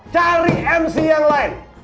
cari mc yang lain